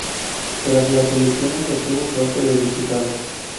Tras las elecciones obtuvo su acta de diputado.